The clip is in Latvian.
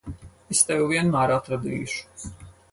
Es tevi vienmēr atradīšu.